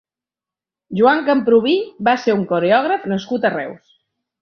Joan Camprubí va ser un coreògraf nascut a Reus.